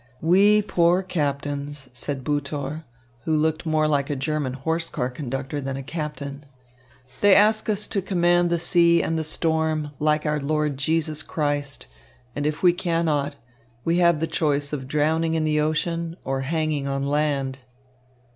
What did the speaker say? "We poor captains," said Butor, who looked more like a German horse car conductor than a captain. "They ask us to command the sea and the storm, like our Lord Jesus Christ, and if we cannot, we have the choice of drowning in the ocean or hanging on land."